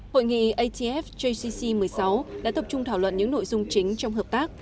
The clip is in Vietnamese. hội nghị atf jcc một mươi sáu đã tập trung thảo luận những nội dung chính trong hợp tác